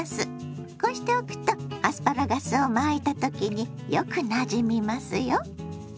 こうしておくとアスパラガスを巻いた時によくなじみますよ。